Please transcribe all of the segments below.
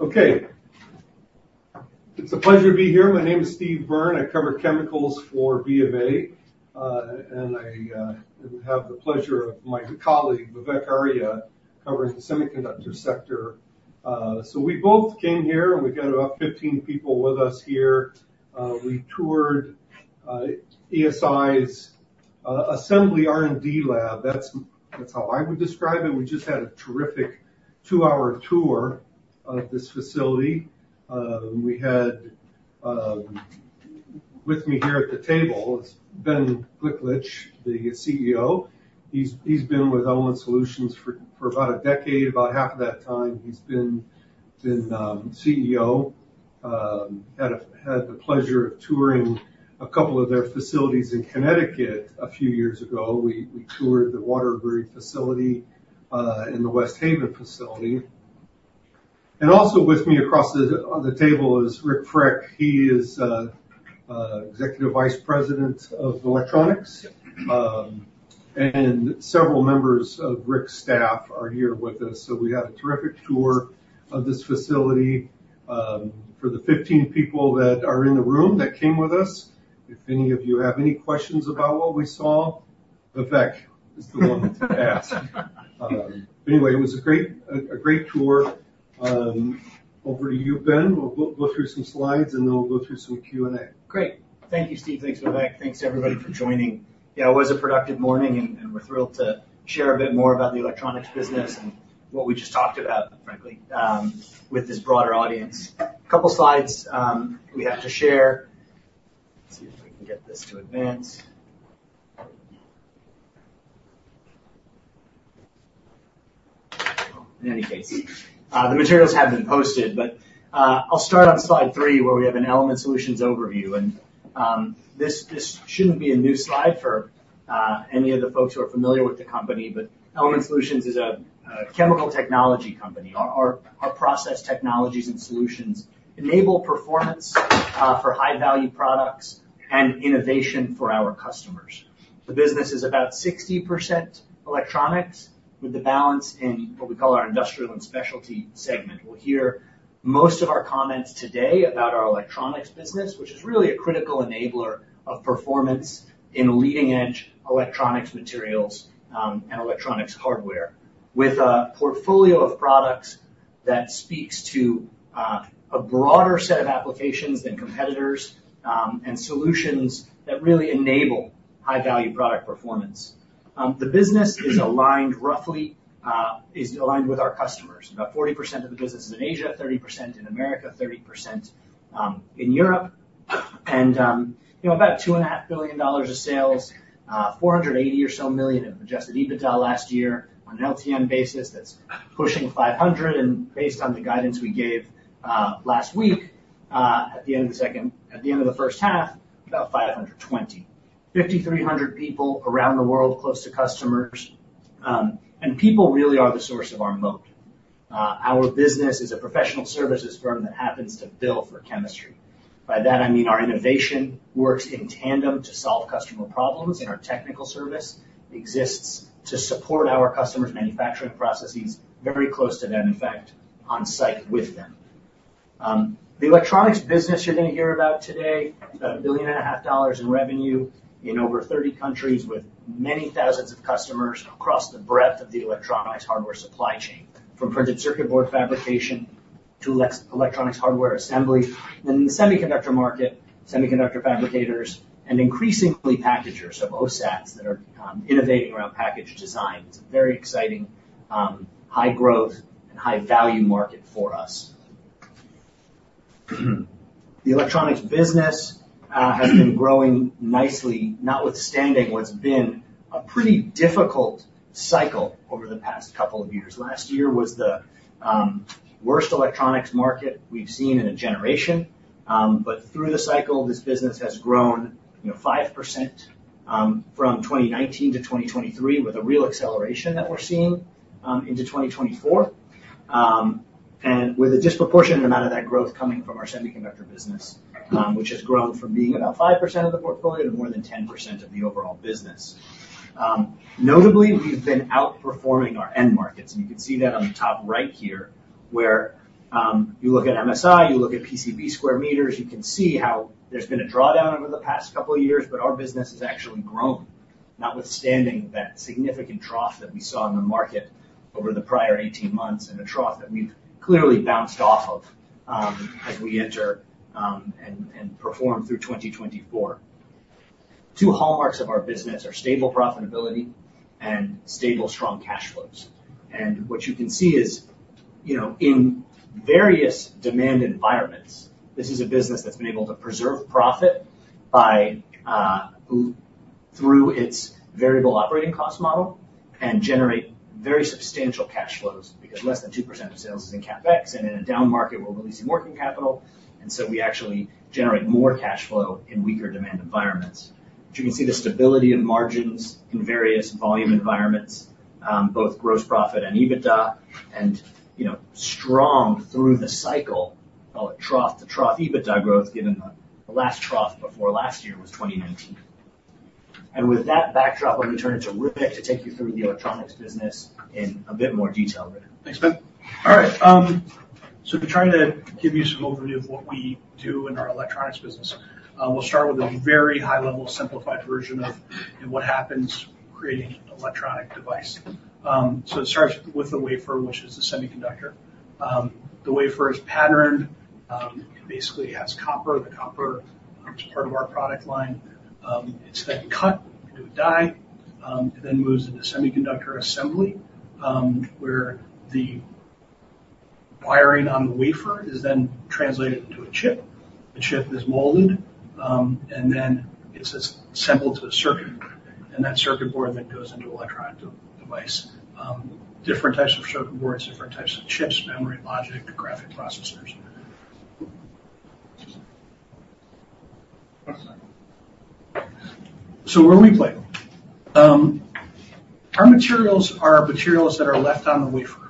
Okay. It's a pleasure to be here. My name is Steve Byrne. I cover chemicals for BofA, and I have the pleasure of my colleague, Vivek Arya, covering the semiconductor sector. So we both came here, and we've got about 15 people with us here. We toured ESI's assembly R&D lab. That's how I would describe it. We just had a terrific two-hour tour of this facility. We had with me here at the table, it's Ben Gliklich, the CEO. He's been with Element Solutions for about a decade. About half of that time, he's been CEO. Had the pleasure of touring a couple of their facilities in Connecticut a few years ago. We toured the Waterbury facility and the West Haven facility. Also with me across the table is Rick Frick. He is Executive Vice President of Electronics. Several members of Rick's staff are here with us. We had a terrific tour of this facility for the 15 people that are in the room that came with us. If any of you have any questions about what we saw, Vivek is the one that's asked. Anyway, it was a great tour. Over to you, Ben. We'll go through some slides, and then we'll go through some Q&A. Great. Thank you, Steve. Thanks, Vivek. Thanks, everybody, for joining. Yeah, it was a productive morning, and we're thrilled to share a bit more about the electronics business and what we just talked about, frankly, with this broader audience. A couple of slides we have to share. See if I can get this to advance. In any case, the materials have been posted, but I'll start on slide 3 where we have an Element Solutions overview. This shouldn't be a new slide for any of the folks who are familiar with the company, but Element Solutions is a chemical technology company. Our process technologies and solutions enable performance for high-value products and innovation for our customers. The business is about 60% electronics, with the balance in what we call our industrial and specialty segment. We'll hear most of our comments today about our electronics business, which is really a critical enabler of performance in leading-edge electronics materials and electronics hardware, with a portfolio of products that speaks to a broader set of applications than competitors and solutions that really enable high-value product performance. The business is aligned roughly with our customers. About 40% of the business is in Asia, 30% in America, 30% in Europe. About $2.5 billion of sales, $480 million or so of adjusted EBITDA last year on an LTM basis that's pushing $500 million. And based on the guidance we gave last week, at the end of the second, at the end of the first half, about $520 million. 5,300 people around the world close to customers. People really are the source of our moat. Our business is a professional services firm that happens to bill for chemistry. By that, I mean our innovation works in tandem to solve customer problems, and our technical service exists to support our customers' manufacturing processes very close to them, in fact, on site with them. The electronics business you're going to hear about today, about $1.5 billion in revenue in over 30 countries with many thousands of customers across the breadth of the electronics hardware supply chain, from printed circuit board fabrication to electronics hardware assembly. And in the semiconductor market, semiconductor fabricators and increasingly packagers of OSATs that are innovating around package design. It's a very exciting, high-growth, and high-value market for us. The electronics business has been growing nicely, notwithstanding what's been a pretty difficult cycle over the past couple of years. Last year was the worst electronics market we've seen in a generation. Through the cycle, this business has grown 5% from 2019 to 2023, with a real acceleration that we're seeing into 2024, and with a disproportionate amount of that growth coming from our semiconductor business, which has grown from being about 5% of the portfolio to more than 10% of the overall business. Notably, we've been outperforming our end markets. You can see that on the top right here, where you look at MSI, you look at PCB square meters, you can see how there's been a drawdown over the past couple of years, but our business has actually grown, notwithstanding that significant trough that we saw in the market over the prior 18 months and a trough that we've clearly bounced off of as we enter and perform through 2024. Two hallmarks of our business are stable profitability and stable, strong cash flows. What you can see is, in various demand environments, this is a business that's been able to preserve profit through its variable operating cost model and generate very substantial cash flows because less than 2% of sales is in CapEx. In a down market, we're releasing working capital. So we actually generate more cash flow in weaker demand environments. But you can see the stability of margins in various volume environments, both gross profit and EBITDA, and strong through the cycle, trough-to-trough EBITDA growth, given the last trough before last year was 2019. With that backdrop, I'm going to turn it to Rick to take you through the electronics business in a bit more detail. Thanks, Ben. All right. So to try to give you some overview of what we do in our electronics business, we'll start with a very high-level simplified version of what happens creating an electronic device. So it starts with the wafer, which is the semiconductor. The wafer is patterned. It basically has copper. The copper is part of our product line. It's then cut into a die and then moves into semiconductor assembly, where the wiring on the wafer is then translated into a chip. The chip is molded, and then it's assembled to a circuit. And that circuit board then goes into an electronic device. Different types of circuit boards, different types of chips, memory, logic, graphic processors. So where we play. Our materials are materials that are left on the wafer.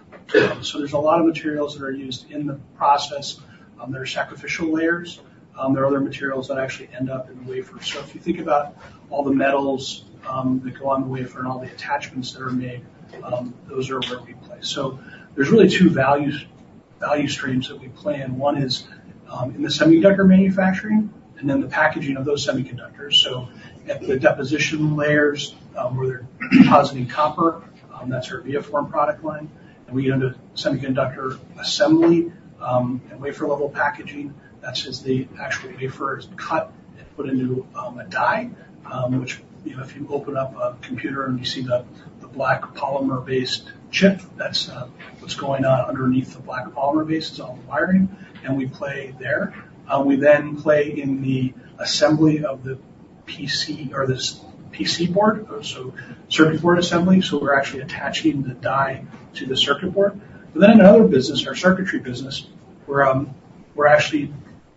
So there's a lot of materials that are used in the process. There are sacrificial layers. There are other materials that actually end up in the wafer. So if you think about all the metals that go on the wafer and all the attachments that are made, those are where we play. So there's really two value streams that we play. And one is in the semiconductor manufacturing and then the packaging of those semiconductors. So at the deposition layers, where they're depositing copper, that's our ViaForm product line. And we get into semiconductor assembly and wafer-level packaging. That's as the actual wafer is cut and put into a die, which if you open up a computer and you see the black polymer-based chip, that's what's going on underneath the black polymer base. It's all the wiring. And we play there. We then play in the assembly of the PC or the PC board, so circuit board assembly. So we're actually attaching the die to the circuit board. And then in another business, our circuitry business, we're actually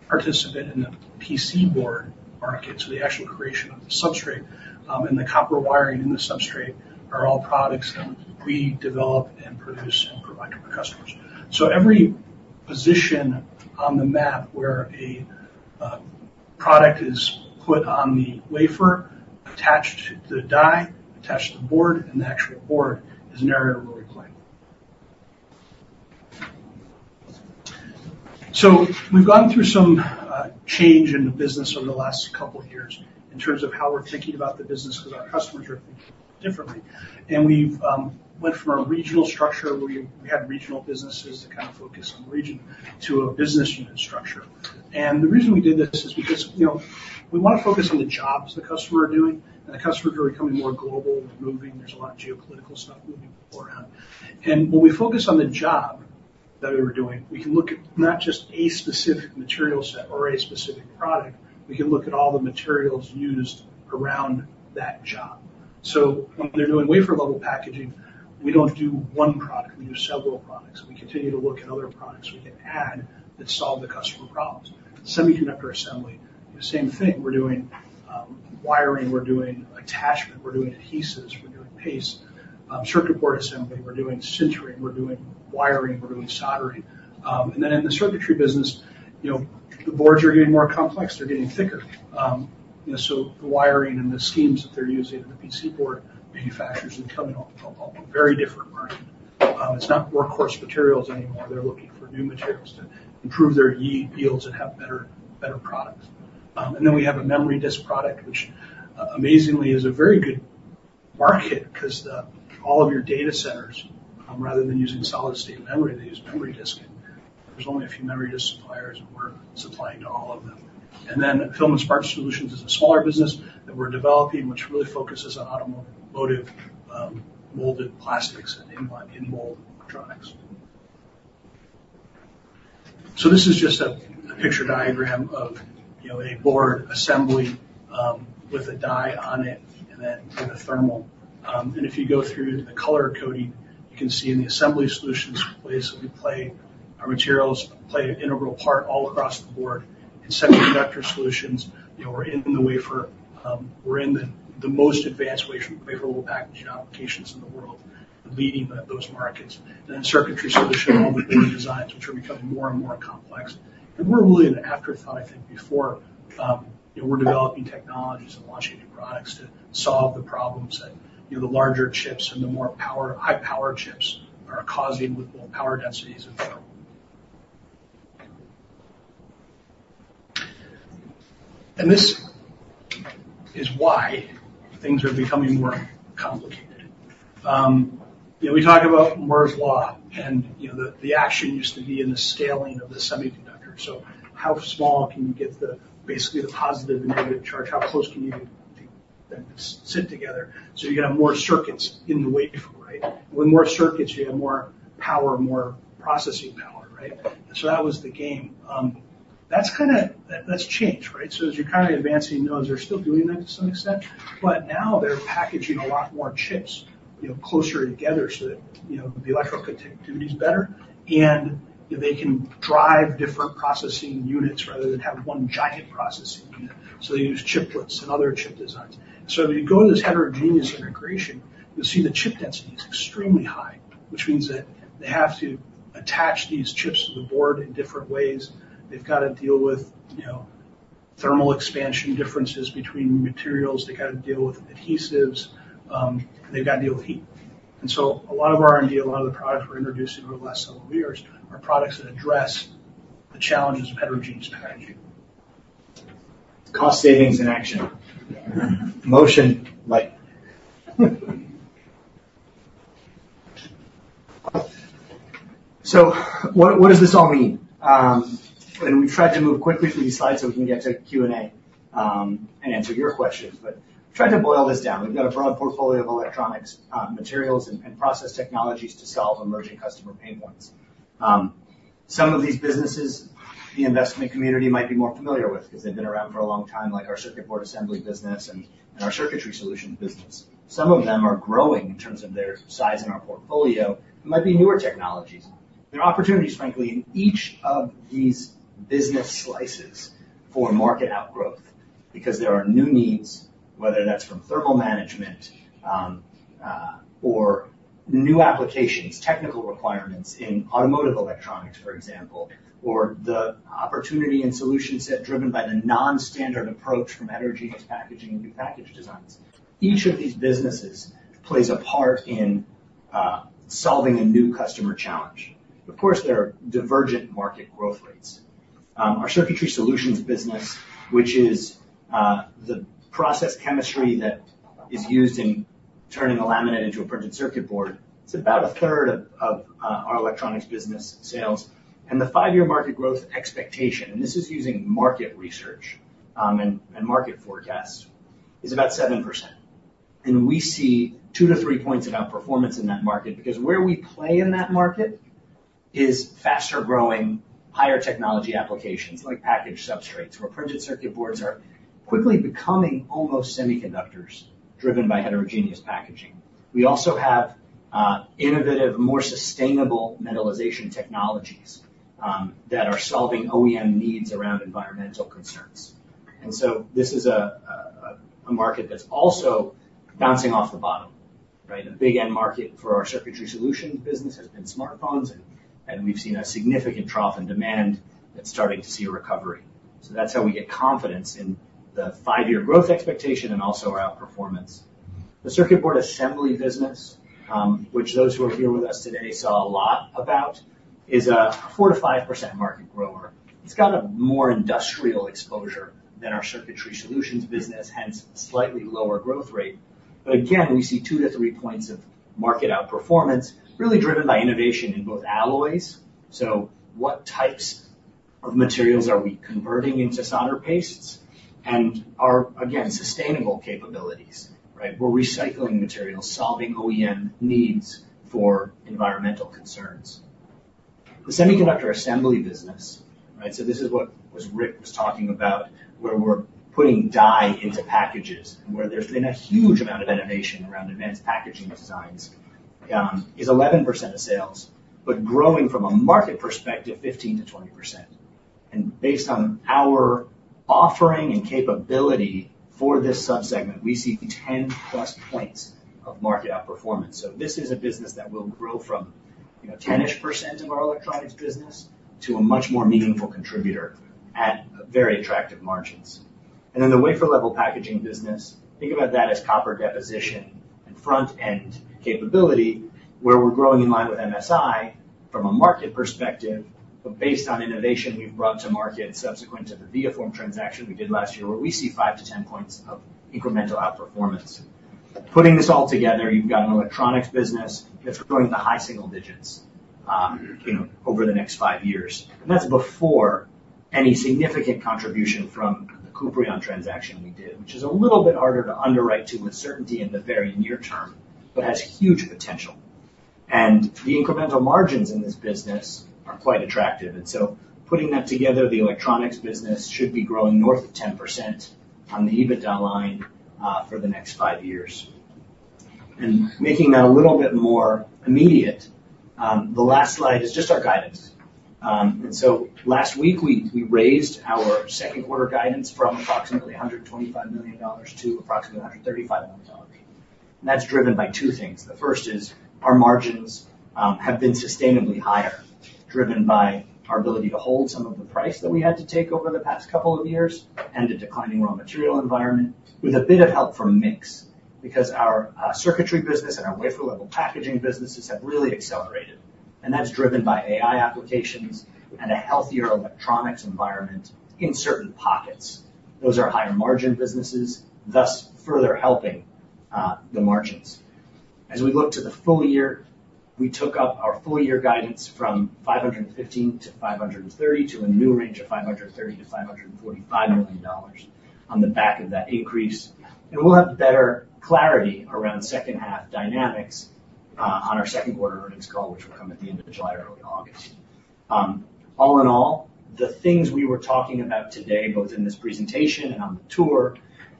participating in the PC board market. So the actual creation of the substrate and the copper wiring in the substrate are all products that we develop and produce and provide to our customers. So every position on the map where a product is put on the wafer, attached to the die, attached to the board, and the actual board is an area where we play. So we've gone through some change in the business over the last couple of years in terms of how we're thinking about the business because our customers are thinking differently. And we've went from a regional structure where we had regional businesses that kind of focus on the region to a business unit structure. The reason we did this is because we want to focus on the jobs the customer is doing. The customers are becoming more global and moving. There's a lot of geopolitical stuff moving around. When we focus on the job that we were doing, we can look at not just a specific material set or a specific product. We can look at all the materials used around that job. So when they're doing wafer-level packaging, we don't do one product. We do several products. We continue to look at other products we can add that solve the customer problems. Semiconductor assembly, same thing. We're doing wiring. We're doing attachment. We're doing adhesives. We're doing paste. Circuit board assembly. We're doing sintering. We're doing wiring. We're doing soldering. Then in the circuitry business, the boards are getting more complex. They're getting thicker. So the wiring and the schemes that they're using in the PC board manufacturers are coming from a very different market. It's not workhorse materials anymore. They're looking for new materials to improve their yields and have better products. And then we have a memory disk product, which amazingly is a very good market because all of your data centers, rather than using solid-state memory, they use memory disk. There's only a few memory disk suppliers, and we're supplying to all of them. And then Film & Smart Surface Solutions is a smaller business that we're developing, which really focuses on automotive molded plastics and in-mold electronics. So this is just a picture diagram of a board assembly with a die on it and then with a thermal. And if you go through the color coding, you can see in the Assembly Solutions place. Our materials play an integral part all across the board. In Semiconductor Solutions, we're in the wafer. We're in the most advanced wafer-level packaging applications in the world, leading those markets. Then Circuitry Solutions, all the board designs, which are becoming more and more complex. And we're really in the forefront, I think, before we're developing technologies and launching new products to solve the problems that the larger chips and the more high-powered chips are causing with both power densities and thermal. And this is why things are becoming more complicated. We talk about Moore's Law, and the action used to be in the scaling of the semiconductor. So how small can you get basically the positive and negative charge? How close can you make them sit together? So you can have more circuits in the wafer, right? With more circuits, you have more power, more processing power, right? So that was the game. That's changed, right? So as you're kind of advancing, those are still doing that to some extent. But now they're packaging a lot more chips closer together so that the electrical connectivity is better, and they can drive different processing units rather than have one giant processing unit. So they use chiplets and other chip designs. So if you go to this heterogeneous integration, you'll see the chip density is extremely high, which means that they have to attach these chips to the board in different ways. They've got to deal with thermal expansion differences between materials. They've got to deal with adhesives. They've got to deal with heat. A lot of our R&D, a lot of the products we're introducing over the last several years are products that address the challenges of heterogeneous packaging. Cost savings in action. Motion light. What does this all mean? We've tried to move quickly through these slides so we can get to Q&A and answer your questions. We've tried to boil this down. We've got a broad portfolio of electronics materials and process technologies to solve emerging customer pain points. Some of these businesses the investment community might be more familiar with because they've been around for a long time, like our circuit board assembly business and our Circuitry Solutions business. Some of them are growing in terms of their size in our portfolio. It might be newer technologies. There are opportunities, frankly, in each of these business slices for market outgrowth because there are new needs, whether that's from thermal management or new applications, technical requirements in automotive electronics, for example, or the opportunity and solutions that are driven by the non-standard approach from heterogeneous packaging and new package designs. Each of these businesses plays a part in solving a new customer challenge. Of course, there are divergent market growth rates. Our Circuitry Solutions business, which is the process chemistry that is used in turning a laminate into a printed circuit board, it's about a third of our electronics business sales. The 5-year market growth expectation, and this is using market research and market forecasts, is about 7%. We see 2-3 points of outperformance in that market because where we play in that market is faster-growing, higher technology applications like package substrates, where printed circuit boards are quickly becoming almost semiconductors driven by heterogeneous packaging. We also have innovative, more sustainable metalization technologies that are solving OEM needs around environmental concerns. And so this is a market that's also bouncing off the bottom, right? A big end market for our Circuitry Solutions business has been smartphones, and we've seen a significant trough in demand that's starting to see a recovery. So that's how we get confidence in the five-year growth expectation and also our outperformance. The circuit board assembly business, which those who are here with us today saw a lot about, is a 4%-5% market grower. It's got a more industrial exposure than our Circuitry Solutions business, hence slightly lower growth rate. Again, we see 2-3 points of market outperformance, really driven by innovation in both alloys. So what types of materials are we converting into solder pastes and our, again, sustainable capabilities, right? We're recycling materials, solving OEM needs for environmental concerns. The semiconductor assembly business, right? So this is what Rick was talking about, where we're putting die into packages and where there's been a huge amount of innovation around advanced packaging designs, is 11% of sales, but growing from a market perspective, 15%-20%. And based on our offering and capability for this subsegment, we see 10+ points of market outperformance. So this is a business that will grow from 10-ish% of our electronics business to a much more meaningful contributor at very attractive margins. Then the wafer-level packaging business, think about that as copper deposition and front-end capability, where we're growing in line with MSI from a market perspective, but based on innovation we've brought to market subsequent to the ViaForm transaction we did last year, where we see 5%-10% points of incremental outperformance. Putting this all together, you've got an electronics business that's growing the high single digits over the next five years. That's before any significant contribution from the Kuprion transaction we did, which is a little bit harder to underwrite to with certainty in the very near term, but has huge potential. The incremental margins in this business are quite attractive. So putting that together, the electronics business should be growing north of 10% on the EBITDA line for the next five years. Making that a little bit more immediate, the last slide is just our guidance. So last week, we raised our second-quarter guidance from approximately $125 million to approximately $135 million. That's driven by two things. The first is our margins have been sustainably higher, driven by our ability to hold some of the price that we had to take over the past couple of years and a declining raw material environment, with a bit of help from MIX because our circuitry business and our wafer-level packaging businesses have really accelerated. That's driven by AI applications and a healthier electronics environment in certain pockets. Those are higher margin businesses, thus further helping the margins. As we look to the full year, we took up our full-year guidance from $515 million-$530 million to a new range of $530 million-$545 million on the back of that increase. We'll have better clarity around second-half dynamics on our second-quarter earnings call, which will come at the end of July, early August. All in all, the things we were talking about today, both in this presentation and on the tour,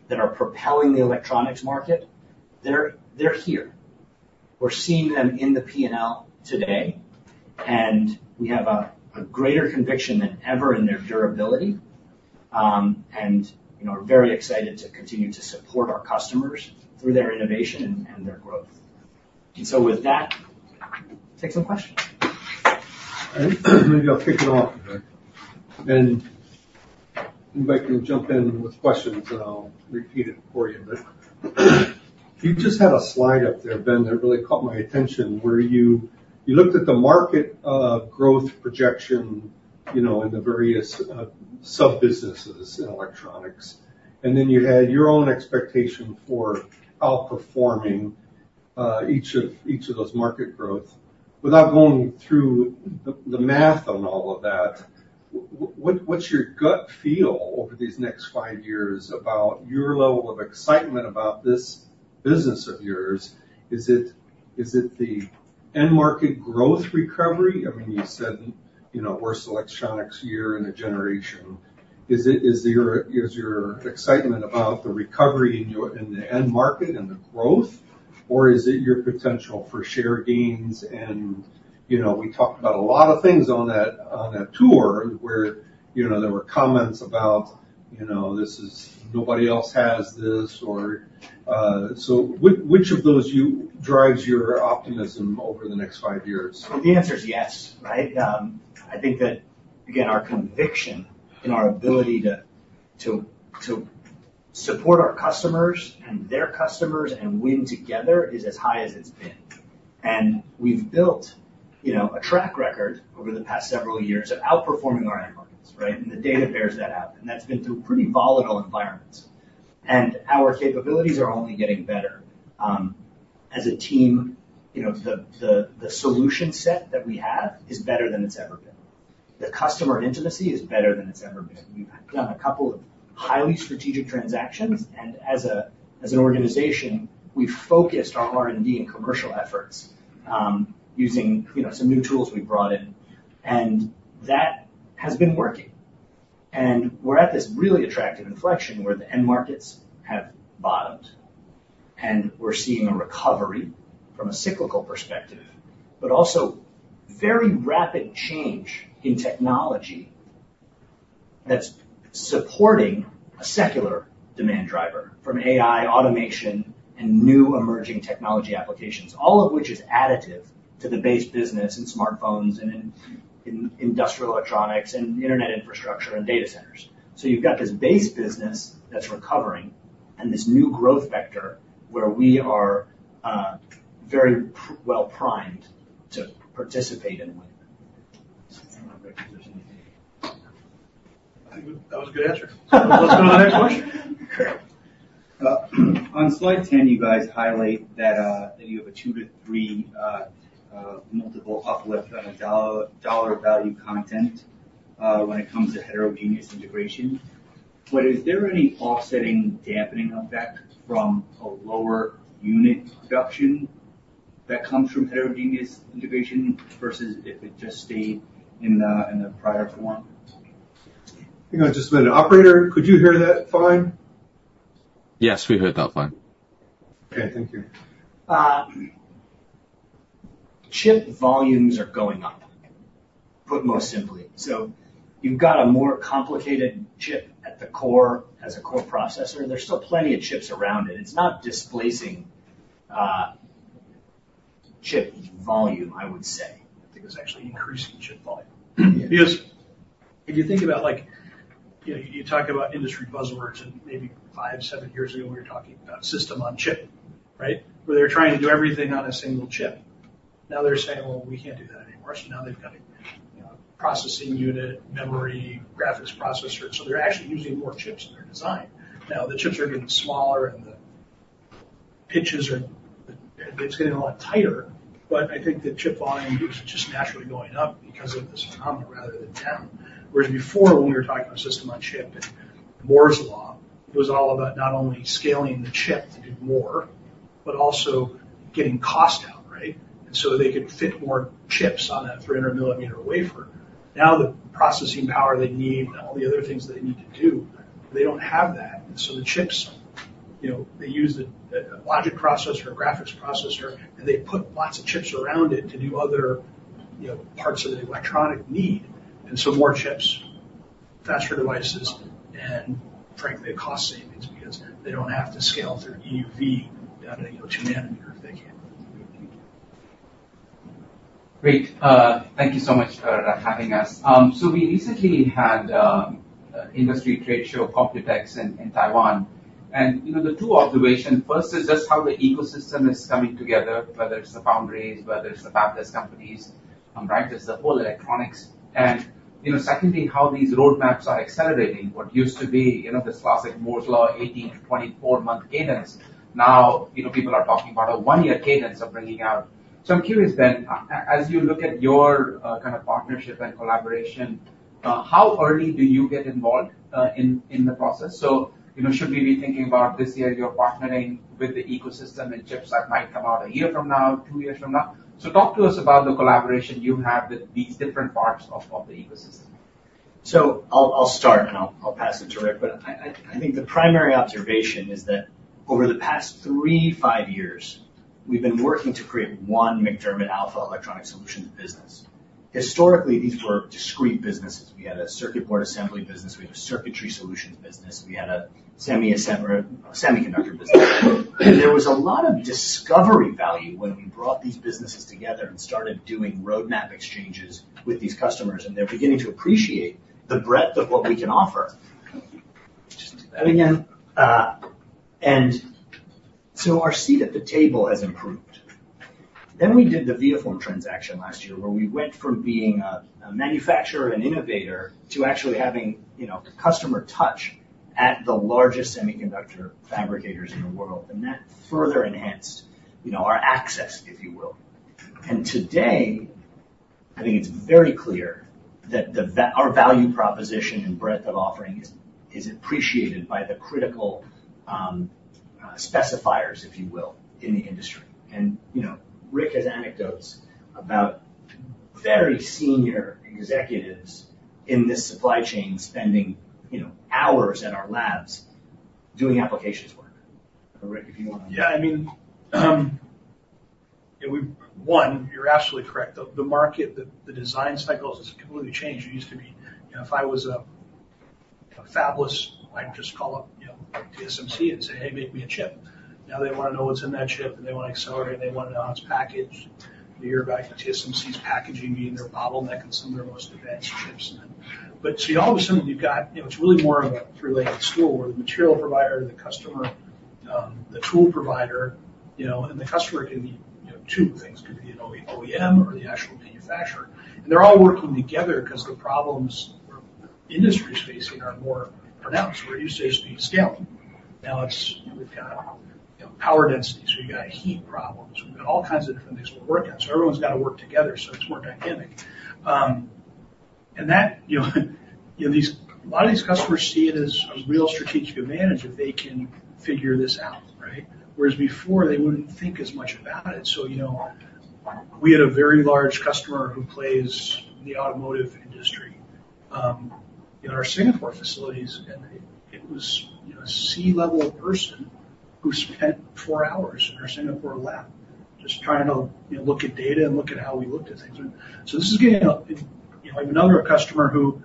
that are propelling the electronics market, they're here. We're seeing them in the P&L today, and we have a greater conviction than ever in their durability. We're very excited to continue to support our customers through their innovation and their growth. So with that, take some questions. Maybe I'll kick it off. You might jump in with questions, and I'll repeat it for you. You just had a slide up there, Ben, that really caught my attention, where you looked at the market growth projection in the various sub-businesses in electronics. Then you had your own expectation for outperforming each of those market growths. Without going through the math on all of that, what's your gut feel over these next five years about your level of excitement about this business of yours? Is it the end-market growth recovery? I mean, you said worst electronics year in a generation. Is your excitement about the recovery in the end market and the growth, or is it your potential for share gains? We talked about a lot of things on that tour where there were comments about, "This is nobody else has this." So which of those drives your optimism over the next five years? The answer is yes, right? I think that, again, our conviction in our ability to support our customers and their customers and win together is as high as it's been. And we've built a track record over the past several years of outperforming our end markets, right? And the data bears that out. And that's been through pretty volatile environments. And our capabilities are only getting better. As a team, the solution set that we have is better than it's ever been. The customer intimacy is better than it's ever been. We've done a couple of highly strategic transactions. And as an organization, we focused our R&D and commercial efforts using some new tools we brought in. And that has been working. And we're at this really attractive inflection where the end markets have bottomed. And we're seeing a recovery from a cyclical perspective, but also very rapid change in technology that's supporting a secular demand driver from AI, automation, and new emerging technology applications, all of which is additive to the base business in smartphones and in industrial electronics and internet infrastructure and data centers. So you've got this base business that's recovering and this new growth vector where we are very well primed to participate in with. I think that was a good answer. Let's go to the next question. On slide 10, you guys highlight that you have a 2-3 multiple uplift on the dollar value content when it comes to heterogeneous integration. But is there any offsetting dampening effect from a lower unit production that comes from heterogeneous integration versus if it just stayed in the prior form? I think I just met an operator. Could you hear that fine? Yes, we heard that fine. Okay, thank you. Chip volumes are going up, put most simply. So you've got a more complicated chip at the core as a core processor. There's still plenty of chips around it. It's not displacing chip volume, I would say. I think it was actually increasing chip volume. Yes. If you think about, you talk about industry buzzwords, and maybe 5, 7 years ago, we were talking about system on chip, right? Where they were trying to do everything on a single chip. Now they're saying, "Well, we can't do that anymore." So now they've got a processing unit, memory, graphics processor. So they're actually using more chips in their design. Now the chips are getting smaller and the pitches are getting a lot tighter. But I think the chip volume is just naturally going up because of this phenomenon rather than down. Whereas before, when we were talking about system on chip and Moore's Law, it was all about not only scaling the chip to do more, but also getting cost out, right? And so they could fit more chips on that 300-millimeter wafer. Now the processing power they need and all the other things that they need to do, they don't have that. And so the chips, they use the logic processor, graphics processor, and they put lots of chips around it to do other parts of the electronics need. And so more chips, faster devices, and frankly, cost savings because they don't have to scale through EUV down to 2 nanometer if they can. Great. Thank you so much for having us. So we recently had an industry trade show, COMPUTEX in Taiwan. And the two observations, first is just how the ecosystem is coming together, whether it's the foundries, whether it's the fabless companies, right? Just the whole electronics. And secondly, how these roadmaps are accelerating. What used to be this classic Moore's Law 18-24-month cadence, now people are talking about a one-year cadence of bringing out. So I'm curious, Ben, as you look at your kind of partnership and collaboration, how early do you get involved in the process? So should we be thinking about this year you're partnering with the ecosystem and chips that might come out a year from now, two years from now? So talk to us about the collaboration you have with these different parts of the ecosystem. So I'll start and I'll pass it to Rick. But I think the primary observation is that over the past 3-5 years, we've been working to create one MacDermid Alpha Electronics Solutions business. Historically, these were discrete businesses. We had a circuit board assembly business. We had a Circuitry Solutions business. We had a semiconductor business. There was a lot of discovery value when we brought these businesses together and started doing roadmap exchanges with these customers. And they're beginning to appreciate the breadth of what we can offer. Just do that again. And so our seat at the table has improved. Then we did the ViaForm transaction last year where we went from being a manufacturer and innovator to actually having customer touch at the largest semiconductor fabricators in the world. And that further enhanced our access, if you will. Today, I think it's very clear that our value proposition and breadth of offering is appreciated by the critical specifiers, if you will, in the industry. Rick has anecdotes about very senior executives in this supply chain spending hours at our labs doing applications work. Rick, if you want to. Yeah, I mean, one, you're absolutely correct. The market, the design cycles have completely changed. It used to be if I was a fabless, I'd just call up TSMC and say, "Hey, make me a chip." Now they want to know what's in that chip, and they want to accelerate, and they want it on its package. A year back, TSMC's packaging being their bottleneck in some of their most advanced chips. But see, all of a sudden, you've got it's really more of a three-legged stool where the material provider, the customer, the tool provider, and the customer can be two things could be an OEM or the actual manufacturer. And they're all working together because the problems industry is facing are more pronounced, where you say, "Speed scale." Now we've got power density, so you've got heat problems. We've got all kinds of different things we're working on. So everyone's got to work together, so it's more dynamic. And a lot of these customers see it as a real strategic advantage if they can figure this out, right? Whereas before, they wouldn't think as much about it. So we had a very large customer who plays in the automotive industry in our Singapore facilities. And it was a C-level person who spent four hours in our Singapore lab just trying to look at data and look at how we looked at things. So this is getting another customer who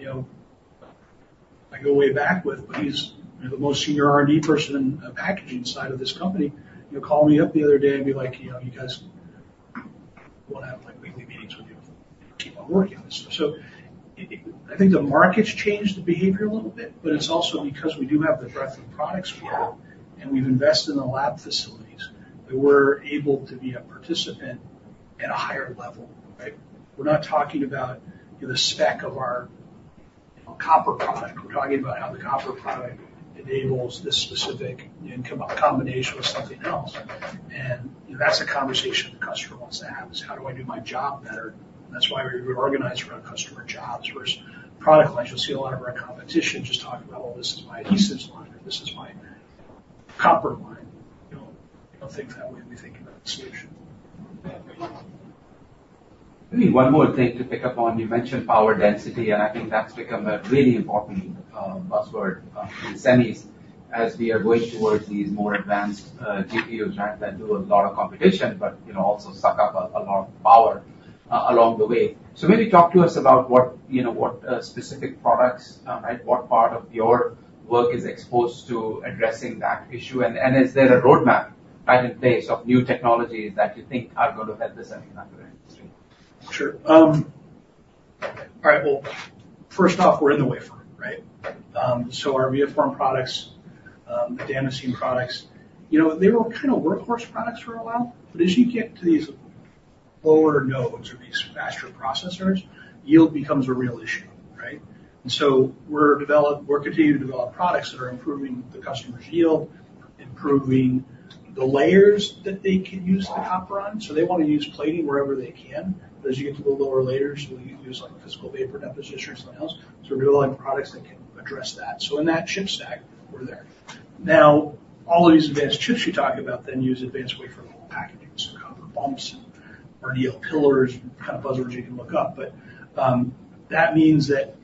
I go way back with, but he's the most senior R&D person in the packaging side of this company. He'll call me up the other day and be like, "You guys want to have weekly meetings with you. Keep on working on this stuff." So I think the market's changed the behavior a little bit, but it's also because we do have the breadth of products we have. And we've invested in the lab facilities. We're able to be a participant at a higher level, right? We're not talking about the spec of our copper product. We're talking about how the copper product enables this specific in combination with something else. And that's a conversation the customer wants to have, is, "How do I do my job better?" And that's why we reorganize around customer jobs versus product lines. You'll see a lot of our competition just talking about, "Well, this is my adhesives line. This is my copper line." Don't think that way when we think about the solution. Maybe one more thing to pick up on. You mentioned power density, and I think that's become a really important buzzword in semis as we are going towards these more advanced GPUs that do a lot of computation, but also suck up a lot of power along the way. So maybe talk to us about what specific products, right? What part of your work is exposed to addressing that issue? And is there a roadmap in place of new technologies that you think are going to help the semiconductor industry? Sure. All right. Well, first off, we're in the wafer, right? So our ViaForm products, the Damascene products, they were kind of workhorse products for a while. But as you get to these lower nodes or these faster processors, yield becomes a real issue, right? And so we're continuing to develop products that are improving the customer's yield, improving the layers that they can use the copper on. So they want to use plating wherever they can. But as you get to the lower layers, you can use physical vapor deposition or something else. So we're developing products that can address that. So in that chip stack, we're there. Now, all of these advanced chips you talk about then use advanced wafer packagings, so copper bumps and RDL pillars, kind of buzzwords you can look up. But that means that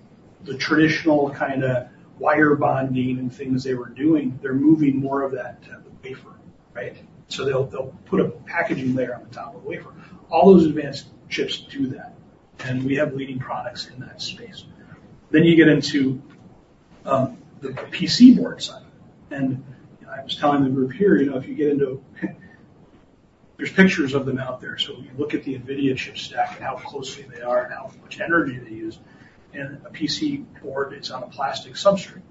the traditional kind of wire bonding and things they were doing, they're moving more of that to wafer, right? So they'll put a packaging layer on the top of the wafer. All those advanced chips do that. And we have leading products in that space. Then you get into the PC board side. And I was telling the group here, if you get into there's pictures of them out there. So you look at the Nvidia chip stack and how close they are and how much energy they use. And a PC board, it's on a plastic substrate,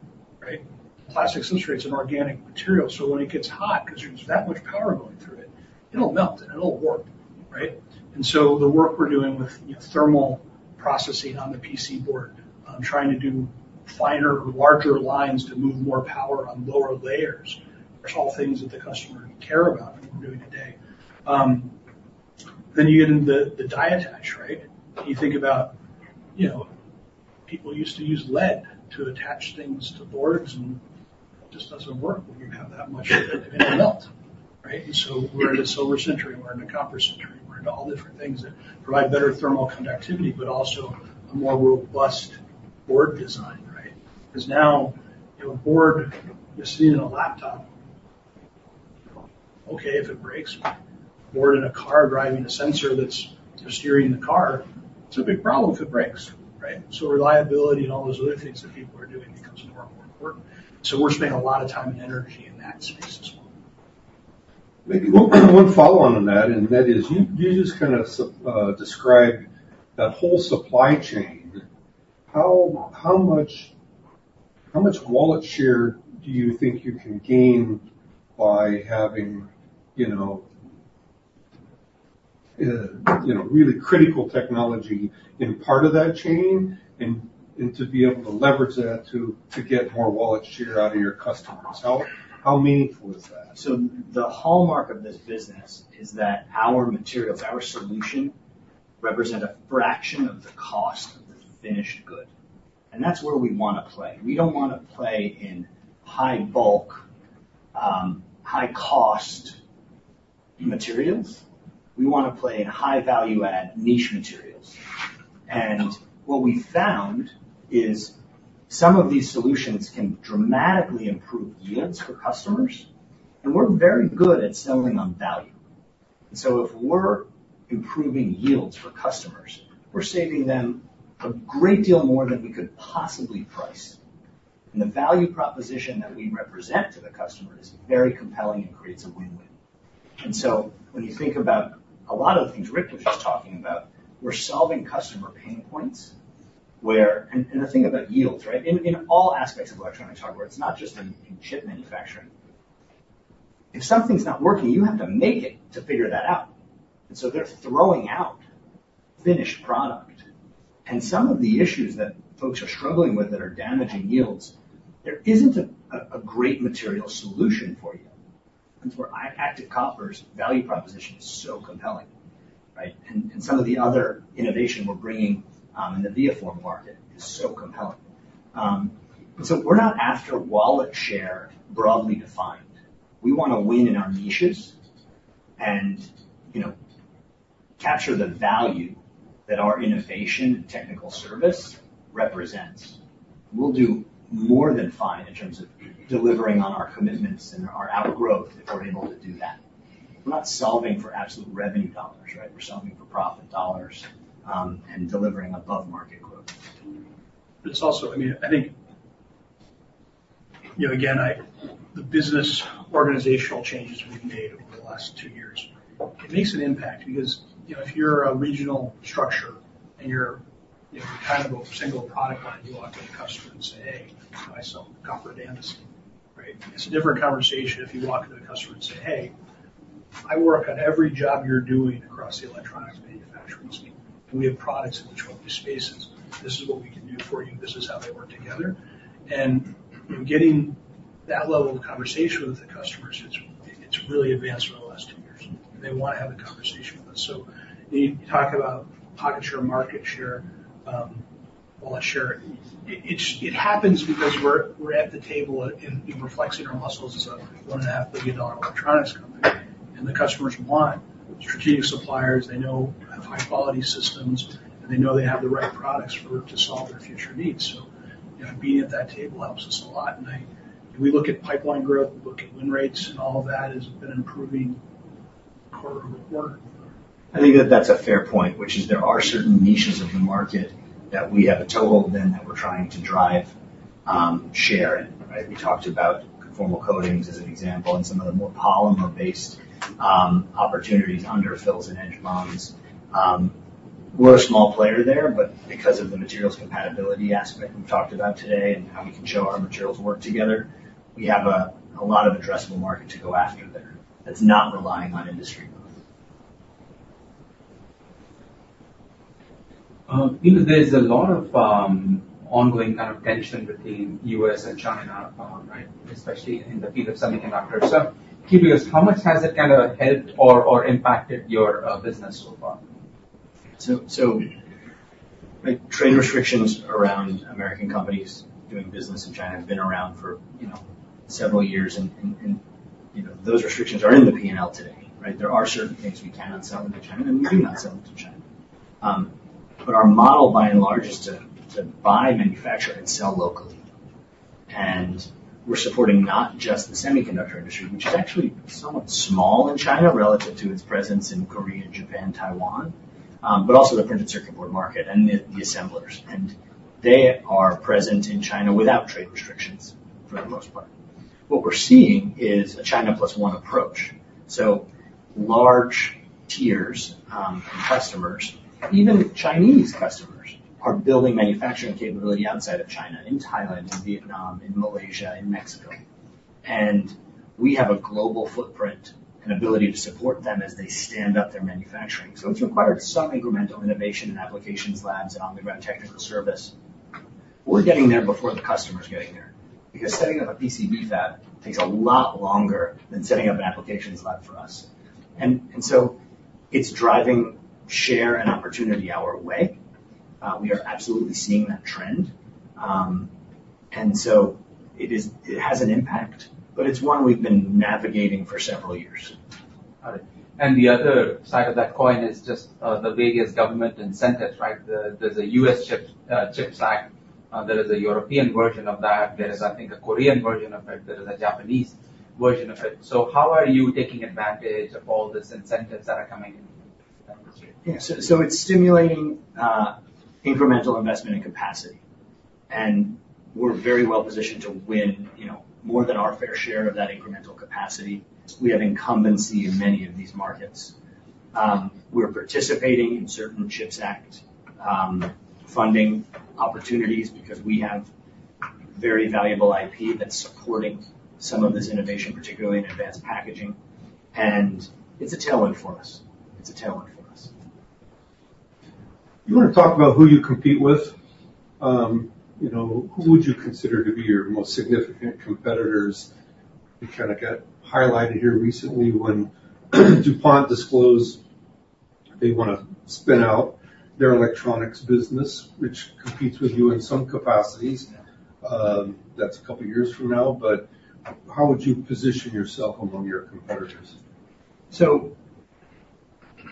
right? Plastic substrate's an organic material. So when it gets hot, because there's that much power going through it, it'll melt and it'll warp, right? And so the work we're doing with thermal processing on the PC board, trying to do finer or larger lines to move more power on lower layers, there's all things that the customer care about and we're doing today. Then you get into the die attach, right? You think about people used to use lead to attach things to boards, and it just doesn't work when you have that much of it, and it melts, right? And so we're in a silver sintering. We're in a copper sintering. We're into all different things that provide better thermal conductivity, but also a more robust board design, right? Because now a board just sitting in a laptop, okay, if it breaks, or in a car driving a sensor that's steering the car, it's a big problem if it breaks, right? So reliability and all those other things that people are doing becomes more and more important. So we're spending a lot of time and energy in that space as well. Maybe one follow-on on that, and that is you just kind of described that whole supply chain. How much wallet share do you think you can gain by having really critical technology in part of that chain and to be able to leverage that to get more wallet share out of your customers? How meaningful is that? So the hallmark of this business is that our materials, our solution, represent a fraction of the cost of the finished good. That's where we want to play. We don't want to play in high bulk, high-cost materials. We want to play in high-value-add niche materials. What we found is some of these solutions can dramatically improve yields for customers. We're very good at selling on value. So if we're improving yields for customers, we're saving them a great deal more than we could possibly price. The value proposition that we represent to the customer is very compelling and creates a win-win. So when you think about a lot of the things Rick was just talking about, we're solving customer pain points where, and the thing about yields, right? In all aspects of electronics, it's not just in chip manufacturing. If something's not working, you have to make it to figure that out. So they're throwing out finished product. Some of the issues that folks are struggling with that are damaging yields, there isn't a great material solution for you. Where Active Copper's value proposition is so compelling, right? Some of the other innovation we're bringing in the ViaForm market is so compelling. So we're not after wallet share broadly defined. We want to win in our niches and capture the value that our innovation and technical service represents. We'll do more than fine in terms of delivering on our commitments and our outgrowth if we're able to do that. We're not solving for absolute revenue dollars, right? We're solving for profit dollars and delivering above-market growth. It's also, I mean, I think, again, the business organizational changes we've made over the last two years, it makes an impact because if you're a regional structure and you're kind of a single product line, you walk to a customer and say, "Hey, I sell copper Damascene," right? It's a different conversation if you walk to a customer and say, "Hey, I work on every job you're doing across the electronics manufacturing team. And we have products in these spaces. This is what we can do for you. This is how they work together." And getting that level of conversation with the customers, it's really advanced over the last two years. And they want to have a conversation with us. So you talk about pocket share, market share, wallet share. It happens because we're at the table and flexing our muscles as a $1.5 billion-dollar electronics company. And the customers want strategic suppliers. They know they have high-quality systems, and they know they have the right products to solve their future needs. So being at that table helps us a lot. And we look at pipeline growth. We look at win rates, and all of that has been improving quarter-over-quarter. I think that that's a fair point, which is there are certain niches of the market that we have a toehold in that we're trying to drive share in, right? We talked about conformal coatings as an example and some of the more polymer-based opportunities underfills and edge bonds. We're a small player there, but because of the materials compatibility aspect we've talked about today and how we can show our materials work together, we have a lot of addressable market to go after there that's not relying on industry growth. There's a lot of ongoing kind of tension between the U.S. and China, right? Especially in the field of semiconductors. So curious, how much has it kind of helped or impacted your business so far? Trade restrictions around American companies doing business in China have been around for several years. Those restrictions are in the P&L today, right? There are certain things we cannot sell into China, and we do not sell into China. But our model, by and large, is to buy, manufacture, and sell locally. We're supporting not just the semiconductor industry, which is actually somewhat small in China relative to its presence in Korea, Japan, Taiwan, but also the printed circuit board market and the assemblers. They are present in China without trade restrictions for the most part. What we're seeing is a China plus one approach. Large tiers and customers, even Chinese customers, are building manufacturing capability outside of China in Thailand, in Vietnam, in Malaysia, in Mexico. We have a global footprint and ability to support them as they stand up their manufacturing. So it's required some incremental innovation and applications labs and on-the-ground technical service. We're getting there before the customer's getting there because setting up a PCB fab takes a lot longer than setting up an applications lab for us. And so it's driving share and opportunity our way. We are absolutely seeing that trend. And so it has an impact, but it's one we've been navigating for several years. Got it. And the other side of that coin is just the various government incentives, right? There's a U.S. CHIPS Act. There is a European version of that. There is, I think, a Korean version of it. There is a Japanese version of it. So how are you taking advantage of all these incentives that are coming into the industry? Yeah. So it's stimulating incremental investment and capacity. We're very well positioned to win more than our fair share of that incremental capacity. We have incumbency in many of these markets. We're participating in certain CHIPS Act funding opportunities because we have very valuable IP that's supporting some of this innovation, particularly in advanced packaging. It's a tailwind for us. It's a tailwind for us. You want to talk about who you compete with? Who would you consider to be your most significant competitors? You kind of got highlighted here recently when DuPont disclosed they want to spin out their electronics business, which competes with you in some capacities. That's a couple of years from now. But how would you position yourself among your competitors?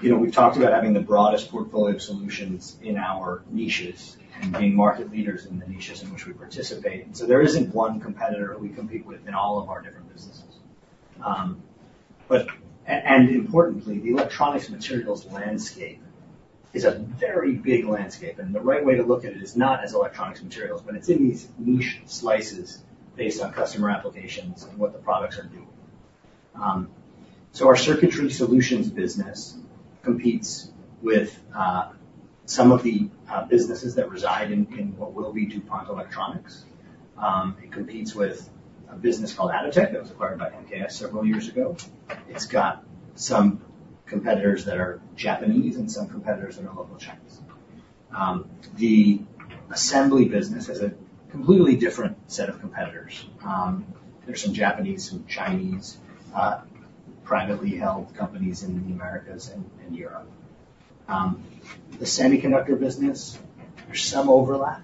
So we've talked about having the broadest portfolio of solutions in our niches and being market leaders in the niches in which we participate. And so there isn't one competitor we compete with in all of our different businesses. And importantly, the electronics materials landscape is a very big landscape. And the right way to look at it is not as electronics materials, but it's in these niche slices based on customer applications and what the products are doing. So our Circuitry Solutions business competes with some of the businesses that reside in what will be DuPont Electronics. It competes with a business called Atotech that was acquired by MKS several years ago. It's got some competitors that are Japanese and some competitors that are local Chinese. The assembly business has a completely different set of competitors. There's some Japanese, some Chinese privately held companies in the Americas and Europe. The semiconductor business, there's some overlap,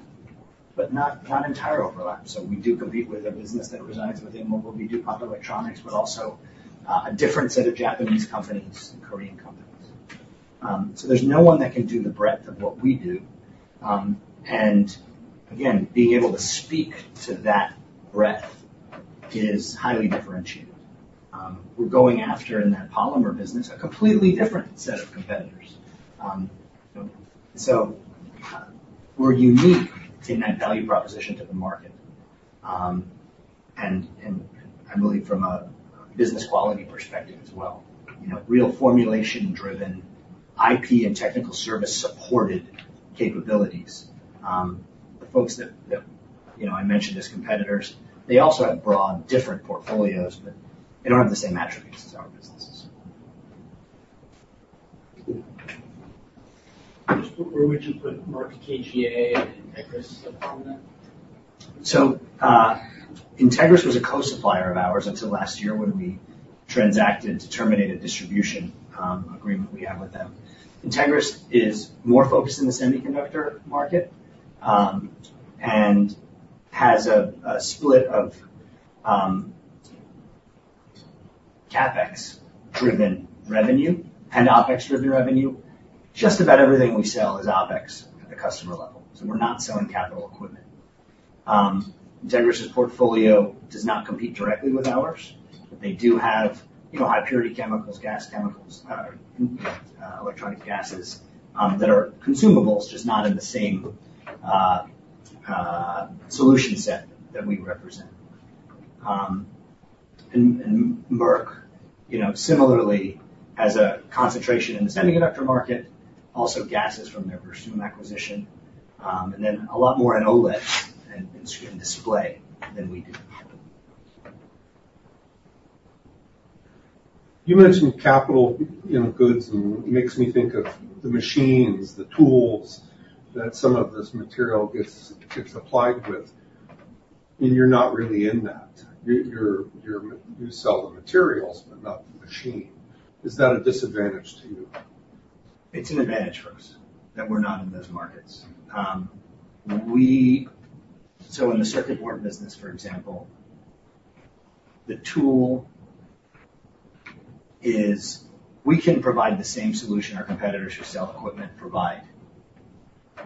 but not entire overlap. So we do compete with a business that resides within what will be DuPont Electronics, but also a different set of Japanese companies and Korean companies. So there's no one that can do the breadth of what we do. And again, being able to speak to that breadth is highly differentiated. We're going after, in that polymer business, a completely different set of competitors. So we're unique in that value proposition to the market. And I believe from a business quality perspective as well, real formulation-driven IP and technical service supported capabilities. The folks that I mentioned as competitors, they also have broad, different portfolios, but they don't have the same attributes as our businesses. Where would you put Merck KGaA and Entegris upon that? Entegris was a co-supplier of ours until last year when we transacted to terminate a distribution agreement we had with them. Entegris is more focused in the semiconductor market and has a split of CapEx-driven revenue and OpEx-driven revenue. Just about everything we sell is OpEx at the customer level. So we're not selling capital equipment. Entegris's portfolio does not compete directly with ours, but they do have high-purity chemicals, gas chemicals, electronic gases that are consumables, just not in the same solution set that we represent. And Merck, similarly, has a concentration in the semiconductor market, also gases from their Versum acquisition, and then a lot more in OLEDs and display than we do. You mentioned capital goods, and it makes me think of the machines, the tools that some of this material gets applied with. You're not really in that. You sell the materials, but not the machine. Is that a disadvantage to you? It's an advantage for us that we're not in those markets. So in the circuit board business, for example, the tool is we can provide the same solution our competitors who sell equipment provide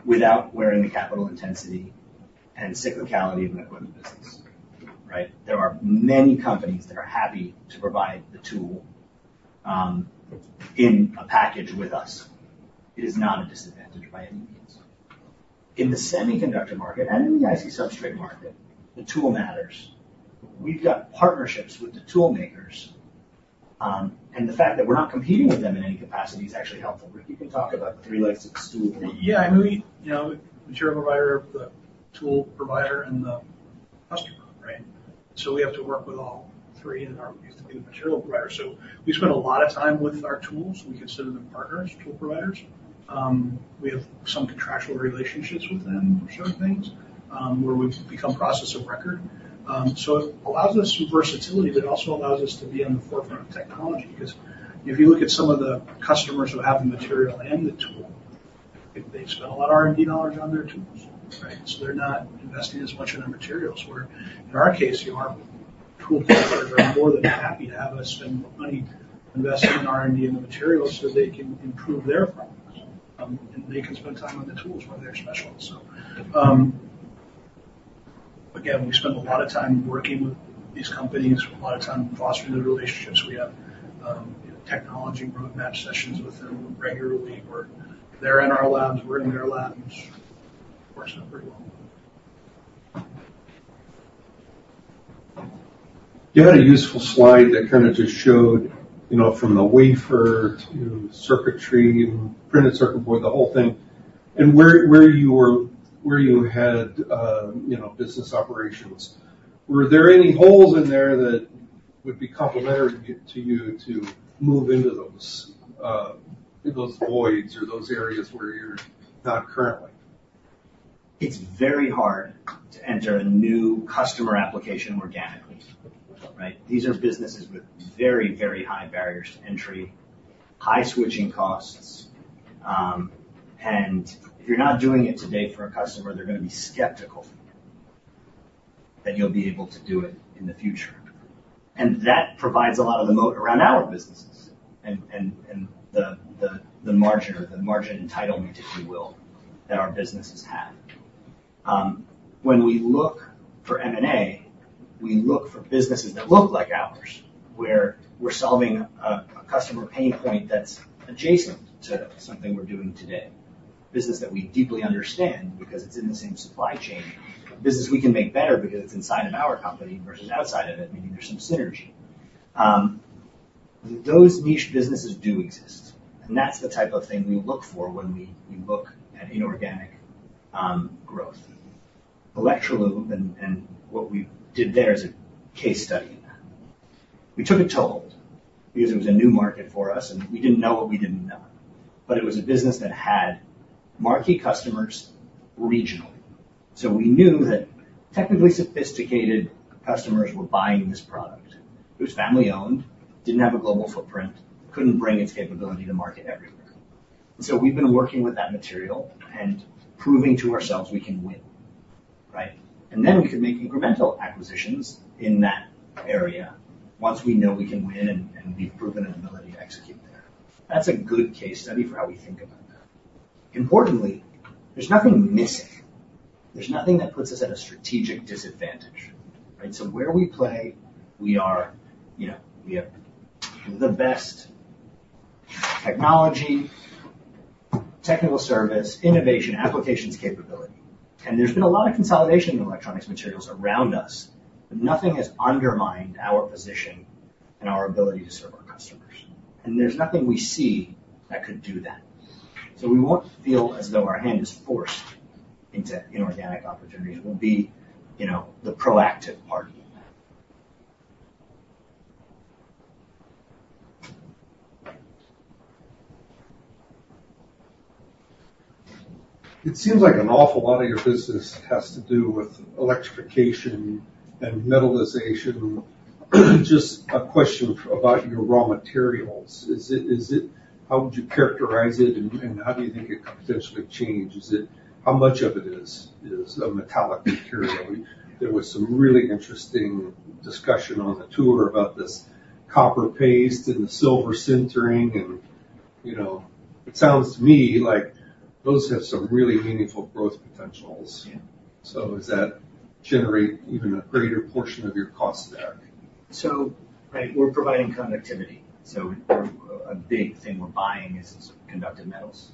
without wearing the capital intensity and cyclicality of an equipment business, right? There are many companies that are happy to provide the tool in a package with us. It is not a disadvantage by any means. In the semiconductor market and in the IC substrate market, the tool matters. We've got partnerships with the tool makers. And the fact that we're not competing with them in any capacity is actually helpful. Rick, you can talk about the three legs of the stool. Yeah. I mean, we're the material provider, the tool provider, and the customer, right? So we have to work with all three in our use to be the material provider. So we spend a lot of time with our tools. We consider them partners, tool providers. We have some contractual relationships with them for certain things where we've become process of record. So it allows us some versatility, but it also allows us to be on the forefront of technology because if you look at some of the customers who have the material and the tool, they've spent a lot of R&D dollars on their tools, right? So they're not investing as much in their materials. Where in our case, your tool providers are more than happy to have us spend more money investing in R&D and the materials so they can improve their products. They can spend time on the tools where they're specialists. Again, we spend a lot of time working with these companies, a lot of time fostering the relationships. We have technology roadmap sessions with them regularly where they're in our labs, we're in their labs. Works out pretty well. You had a useful slide that kind of just showed from the wafer to circuitry and printed circuit board, the whole thing. Where you had business operations, were there any holes in there that would be complementary to you to move into those voids or those areas where you're not currently? It's very hard to enter a new customer application organically, right? These are businesses with very, very high barriers to entry, high switching costs. And if you're not doing it today for a customer, they're going to be skeptical that you'll be able to do it in the future. And that provides a lot of the moat around our businesses and the margin or the margin entitlement, if you will, that our businesses have. When we look for M&A, we look for businesses that look like ours where we're solving a customer pain point that's adjacent to something we're doing today. Business that we deeply understand because it's in the same supply chain. Business we can make better because it's inside of our company versus outside of it, meaning there's some synergy. Those niche businesses do exist. That's the type of thing we look for when we look at inorganic growth. Electrolube and what we did there is a case study in that. We took a toehold because it was a new market for us, and we didn't know what we didn't know. But it was a business that had marquee customers regionally. So we knew that technically sophisticated customers were buying this product. It was family-owned, didn't have a global footprint, couldn't bring its capability to market everywhere. And so we've been working with that material and proving to ourselves we can win, right? And then we could make incremental acquisitions in that area once we know we can win and we've proven an ability to execute there. That's a good case study for how we think about that. Importantly, there's nothing missing. There's nothing that puts us at a strategic disadvantage, right? So where we play, we have the best technology, technical service, innovation, applications capability. There's been a lot of consolidation in electronics materials around us, but nothing has undermined our position and our ability to serve our customers. There's nothing we see that could do that. We won't feel as though our hand is forced into inorganic opportunities. We'll be the proactive party in that. It seems like an awful lot of your business has to do with electrification and metallization. Just a question about your raw materials. How would you characterize it, and how do you think it could potentially change? How much of it is a metallic material? There was some really interesting discussion on the tour about this copper paste and the silver sintering. And it sounds to me like those have some really meaningful growth potentials. So does that generate even a greater portion of your cost back? So we're providing conductivity. So a big thing we're buying is conductive metals.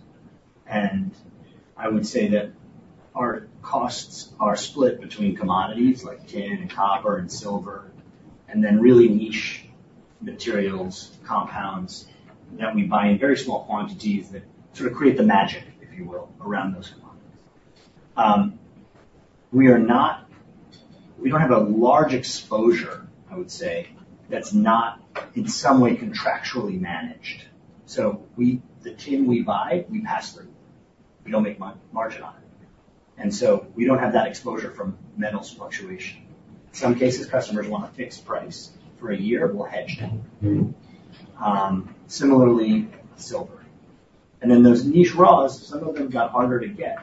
And I would say that our costs are split between commodities like tin and copper and silver, and then really niche materials, compounds that we buy in very small quantities that sort of create the magic, if you will, around those commodities. We don't have a large exposure, I would say, that's not in some way contractually managed. So the tin we buy, we pass through. We don't make margin on it. And so we don't have that exposure from metals fluctuation. In some cases, customers want a fixed price. For a year, we'll hedge down. Similarly, silver. And then those niche raws, some of them got harder to get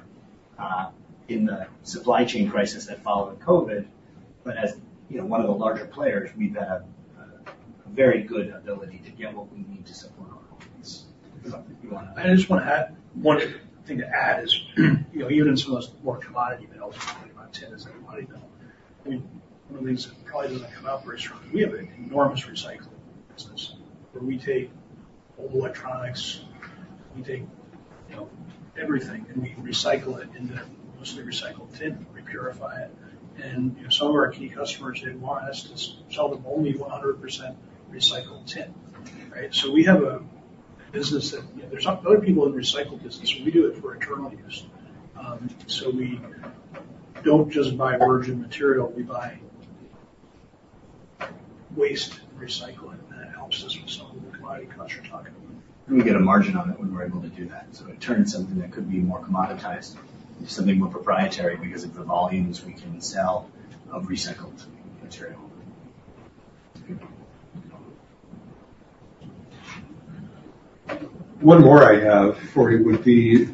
in the supply chain crisis that followed COVID. As one of the larger players, we've had a very good ability to get what we need to support our companies. I just want to add one thing to add is even in some of those more commodity metals, we're talking about tin as a commodity metal. I mean, one of the things that probably doesn't come out very strongly, we have an enormous recycling business where we take old electronics, we take everything, and we recycle it into mostly recycled tin, repurify it. And some of our key customers, they want us to sell them only 100% recycled tin, right? So we have a business that there's other people in the recycled business, but we do it for internal use. So we don't just buy virgin material. We buy waste and recycle it. And that helps us with some of the commodity costs you're talking about. We get a margin on it when we're able to do that. It turns something that could be more commoditized into something more proprietary because of the volumes we can sell of recycled material. One more I have for you would be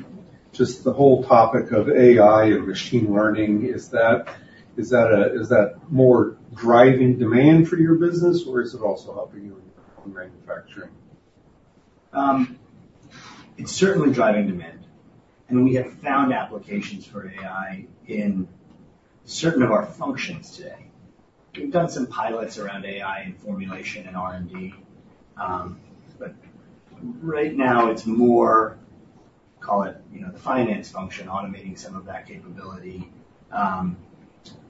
just the whole topic of AI and machine learning. Is that more driving demand for your business, or is it also helping you in manufacturing? It's certainly driving demand. We have found applications for AI in certain of our functions today. We've done some pilots around AI and formulation and R&D. Right now, it's more, call it the finance function, automating some of that capability,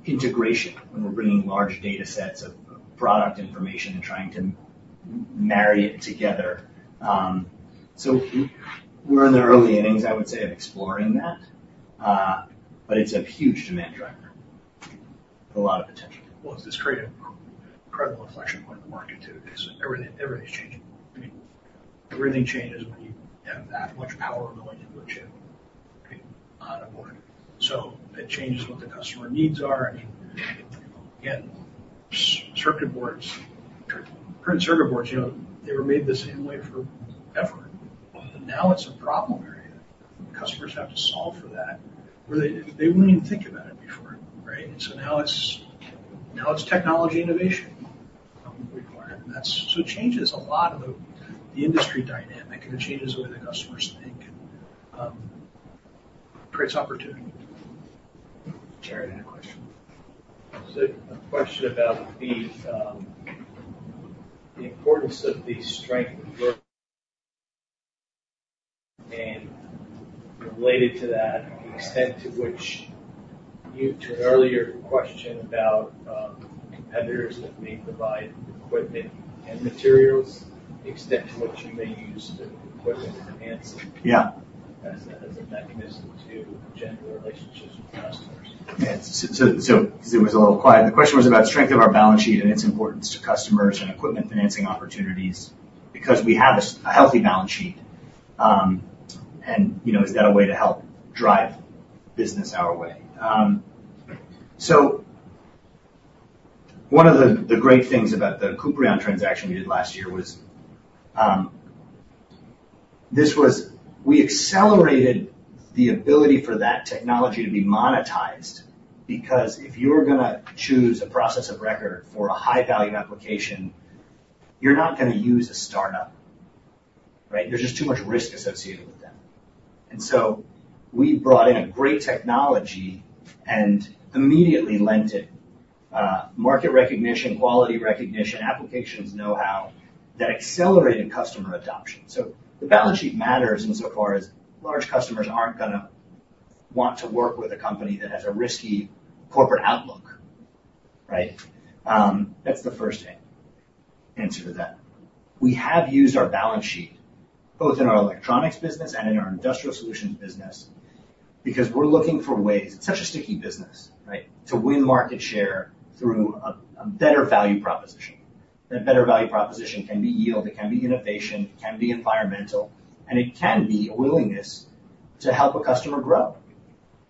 integration when we're bringing large data sets of product information and trying to marry it together. We're in the early innings, I would say, of exploring that. It's a huge demand driver. A lot of potential. Well, this created an incredible inflection point in the market too. Everything's changing. Everything changes when you have that much power going into a chip on a board. So it changes what the customer needs are. I mean, again, circuit boards, printed circuit boards, they were made the same way forever. But now it's a problem area. Customers have to solve for that where they wouldn't even think about it before, right? And so now it's technology innovation required. And that changes a lot of the industry dynamic, and it changes the way the customers think. It creates opportunity. Jared, I had a question. A question about the importance of the strength of growth. Related to that, the extent to which you to an earlier question about competitors that may provide equipment and materials, the extent to which you may use equipment financing as a mechanism to generate relationships with customers. So it was a little quiet. The question was about strength of our balance sheet and its importance to customers and equipment financing opportunities because we have a healthy balance sheet. And is that a way to help drive business our way? So one of the great things about the Kuprion transaction we did last year was that we accelerated the ability for that technology to be monetized because if you're going to choose a process of record for a high-value application, you're not going to use a startup, right? There's just too much risk associated with that. And so we brought in a great technology and immediately lent it market recognition, quality recognition, applications know-how that accelerated customer adoption. So the balance sheet matters insofar as large customers aren't going to want to work with a company that has a risky corporate outlook, right? That's the first answer to that. We have used our balance sheet both in our electronics business and in our industrial solutions business because we're looking for ways, it's such a sticky business, right?, to win market share through a better value proposition. That better value proposition can be yield. It can be innovation. It can be environmental. And it can be a willingness to help a customer grow.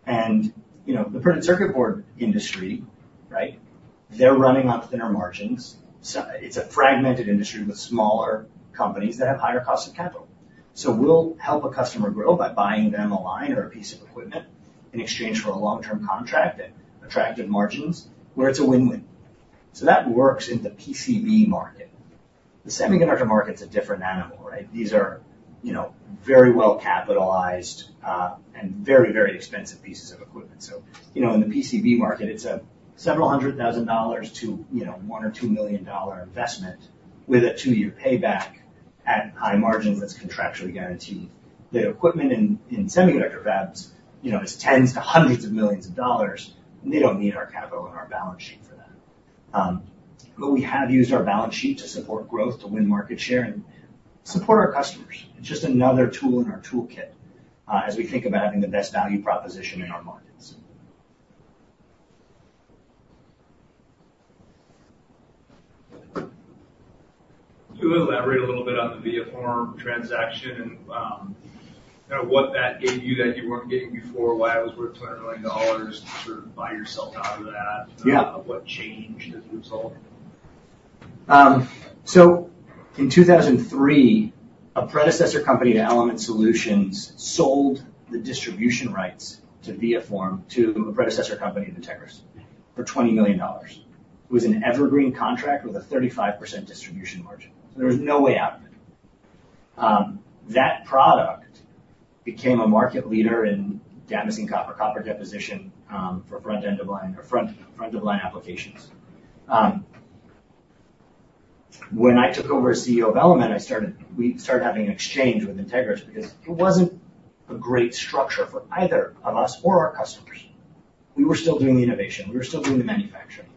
And the printed circuit board industry, right? They're running on thinner margins. It's a fragmented industry with smaller companies that have higher costs of capital. So we'll help a customer grow by buying them a line or a piece of equipment in exchange for a long-term contract and attractive margins where it's a win-win. So that works in the PCB market. The semiconductor market's a different animal, right? These are very well-capitalized and very, very expensive pieces of equipment. In the PCB market, it's $ several hundred thousand to $1-$2 million investment with a 2-year payback at high margins that's contractually guaranteed. The equipment in semiconductor fabs is tens to hundreds of millions of dollars. They don't need our capital and our balance sheet for that. But we have used our balance sheet to support growth, to win market share, and support our customers. It's just another tool in our toolkit as we think about having the best value proposition in our markets. Can you elaborate a little bit on the ViaForm transaction and kind of what that gave you that you weren't getting before, why it was worth $200 million to sort of buy yourself out of that? What changed as a result? So in 2003, a predecessor company to Element Solutions sold the distribution rights to ViaForm to a predecessor company to Entegris for $20 million. It was an evergreen contract with a 35% distribution margin. So there was no way out of it. That product became a market leader in Damascene copper, copper deposition for front-end of line or front-of-line applications. When I took over as CEO of Element, we started having an exchange with Entegris because it wasn't a great structure for either of us or our customers. We were still doing the innovation. We were still doing the manufacturing.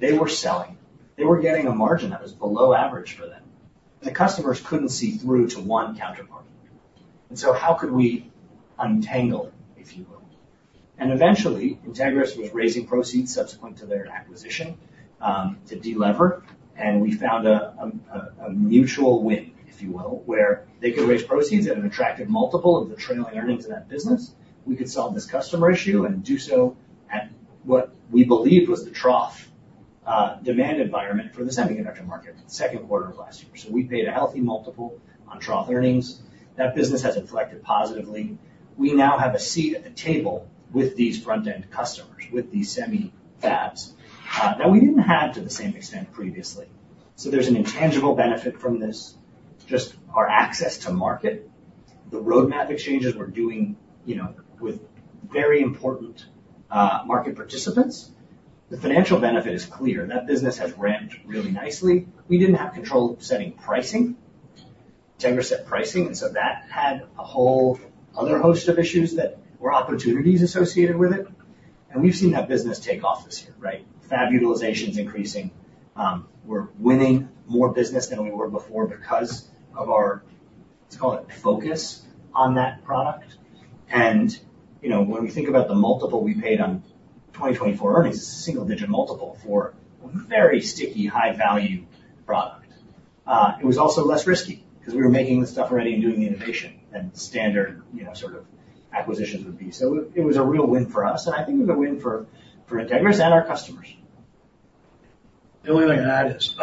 They were selling. They were getting a margin that was below average for them. And the customers couldn't see through to one counterparty. And so how could we untangle it, if you will? And eventually, Entegris was raising proceeds subsequent to their acquisition to delever. We found a mutual win, if you will, where they could raise proceeds at an attractive multiple of the trailing earnings of that business. We could solve this customer issue and do so at what we believed was the trough demand environment for the semiconductor market in the second quarter of last year. So we paid a healthy multiple on trough earnings. That business has inflected positively. We now have a seat at the table with these front-end customers, with these semi fabs that we didn't have to the same extent previously. So there's an intangible benefit from this, just our access to market, the roadmap exchanges we're doing with very important market participants. The financial benefit is clear. That business has ramped really nicely. We didn't have control of setting pricing. Entegris set pricing. That had a whole other host of issues that were opportunities associated with it. We've seen that business take off this year, right? Fab utilization is increasing. We're winning more business than we were before because of our, let's call it, focus on that product. When we think about the multiple we paid on 2024 earnings, it's a single-digit multiple for a very sticky high-value product. It was also less risky because we were making the stuff already and doing the innovation than standard sort of acquisitions would be. It was a real win for us. I think it was a win for Entegris and our customers. The only thing I had is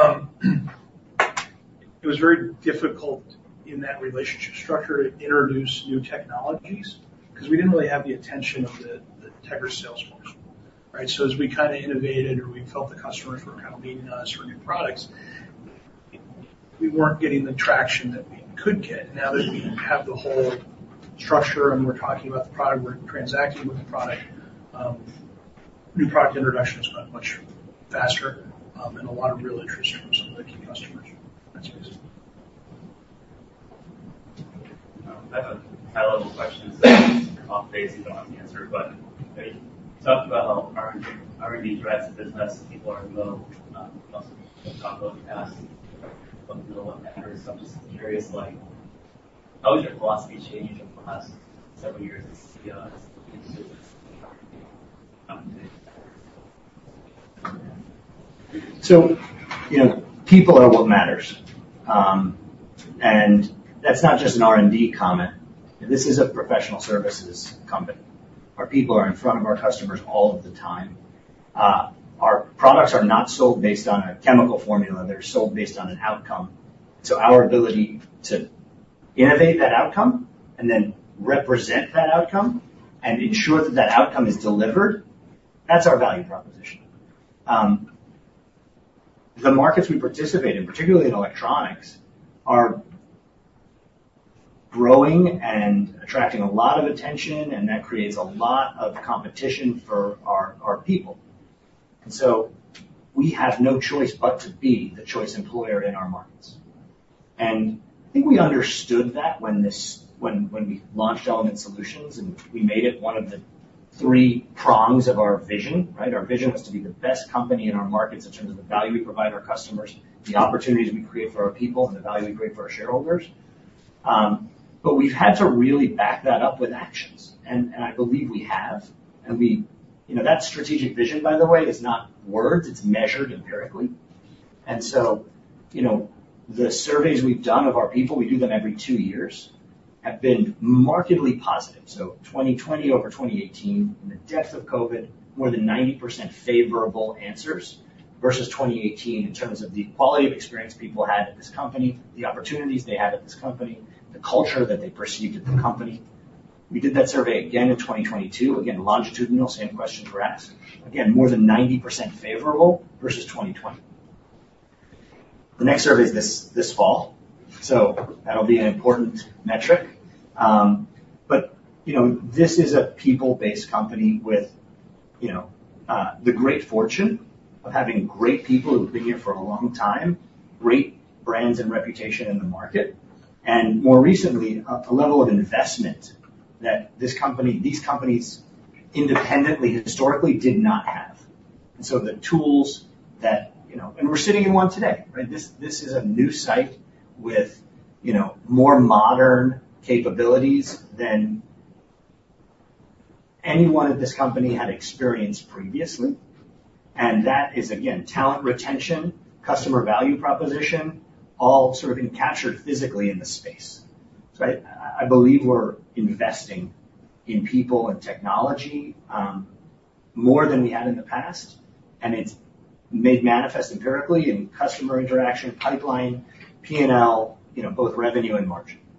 it was very difficult in that relationship structure to introduce new technologies because we didn't really have the attention of the Entegris sales force, right? So as we kind of innovated or we felt the customers were kind of meeting us for new products, we weren't getting the traction that we could get. Now that we have the whole structure and we're talking about the product, we're transacting with the product, new product introduction has gone much faster and a lot of real interest from some of the key customers in that space. I have a high-level question that I'm confident you don't have to answer, but you talked about how R&D threads the business. People are in the middle of talking about the past, but in the middle of every subject, I'm curious: how has your philosophy changed over the last several years as CEO of the business? People are what matters. That's not just an R&D comment. This is a professional services company. Our people are in front of our customers all of the time. Our products are not sold based on a chemical formula. They're sold based on an outcome. Our ability to innovate that outcome and then represent that outcome and ensure that that outcome is delivered, that's our value proposition. The markets we participate in, particularly in electronics, are growing and attracting a lot of attention, and that creates a lot of competition for our people. We have no choice but to be the choice employer in our markets. I think we understood that when we launched Element Solutions and we made it one of the three prongs of our vision, right? Our vision was to be the best company in our markets in terms of the value we provide our customers, the opportunities we create for our people, and the value we create for our shareholders. But we've had to really back that up with actions. And I believe we have. And that strategic vision, by the way, is not words. It's measured empirically. And so the surveys we've done of our people, we do them every two years, have been markedly positive. So 2020 over 2018, in the depth of COVID, more than 90% favorable answers versus 2018 in terms of the quality of experience people had at this company, the opportunities they had at this company, the culture that they perceived at the company. We did that survey again in 2022. Again, longitudinal, same questions were asked. Again, more than 90% favorable versus 2020. The next survey is this fall. So that'll be an important metric. But this is a people-based company with the great fortune of having great people who've been here for a long time, great brands and reputation in the market, and more recently, a level of investment that these companies independently historically did not have. And so the tools that, and we're sitting in one today, right? This is a new site with more modern capabilities than anyone at this company had experienced previously. And that is, again, talent retention, customer value proposition, all sort of captured physically in the space, right? I believe we're investing in people and technology more than we had in the past. And it's made manifest empirically in customer interaction, pipeline, P&L, both revenue and margin.